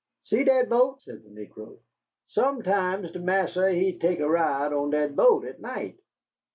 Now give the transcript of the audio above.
"See dat boat?" said the negro. "Sometime de Marse he tek ar ride in dat boat at night.